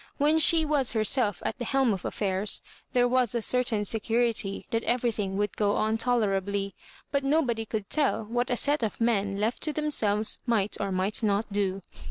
When she was herself at the helm of affairs, there was a certain security that everything would go on toler^ly — but no body could tell what a set of men lleft to them selves might or might not do.